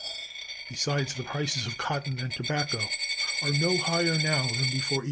Besides, the prices of cotton and tobacco are no higher now than before 1850.